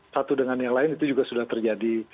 satu dengan yang lain itu juga sudah terjadi